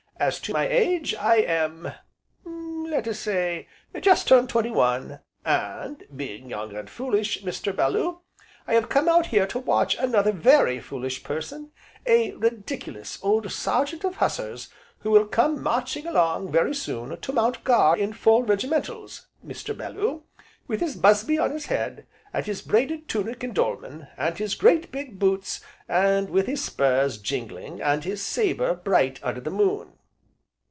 As to my age, I am let us say, just turned twenty one and, being young, and foolish, Mr. Bellew, I have come out here to watch another very foolish person, a ridiculous, old Sergeant of Hussars, who will come marching along, very soon, to mount guard in full regimentals, Mr. Bellew, with his busby on his head, with his braided tunic and dolman, and his great big boots, and with his spurs jingling, and his sabre bright under the moon."